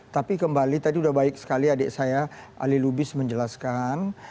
tapi kembali tadi sudah baik sekali adik saya ali lubis menjelaskan